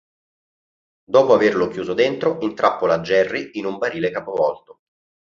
Dopo averlo chiuso dentro, intrappola Jerry in un barile capovolto.